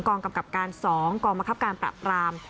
กองกำกับการสองกองมะครับการปรับราม